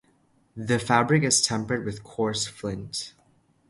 The fabric is tempered with coarse flint.